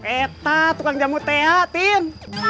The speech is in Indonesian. eta bukan jamu teh ya tin